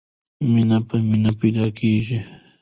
مینه په مینه پیدا کېږي.